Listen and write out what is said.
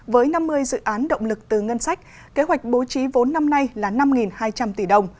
với năm mươi dự án động lực từ ngân sách kế hoạch bố trí vốn năm nay là năm hai trăm linh tỷ đồng